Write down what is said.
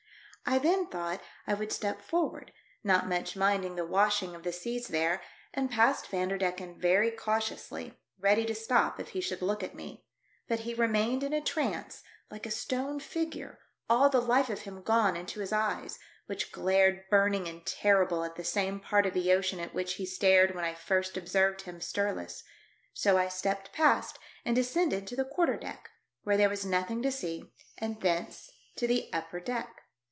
I then thought I would step forward, not much minding the washing of the seas there, and passed Vanderdecken very cautiously, ready to stop if he should look at me, but he remained in a trance, like a stone figure, all the life of him gone into his eyes, which glared burning and terrible at the same part of the ocean at which he stared when I first observed him stirless ; so I stepped past and descended to the quarter deck, where there was nothing to see, and thence to the upper deck.